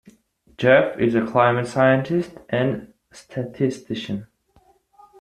Jeff is a climate scientist and statistician.